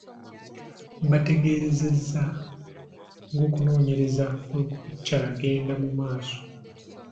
Bategeezezza ng'okunoonyereza bwe kukyagenda mu maaso .